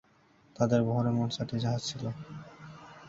তাদের বহরে মোট চারটি জাহাজ ছিল।